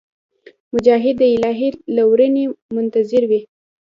مجاهد د الهي لورینې منتظر وي.